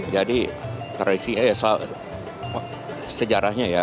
jadi tradisinya ya sejarahnya ya